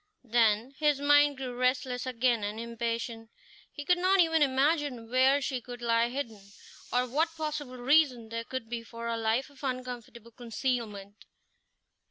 Then his mind grew restless again, and impatient; he could not even imagine where she could lie hidden, or what possible reason there could be for a life of uncomfortable concealment.